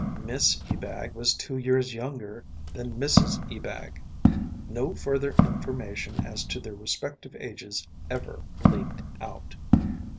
Miss Ebag was two years younger than Mrs Ebag. No further information as to their respective ages ever leaked out.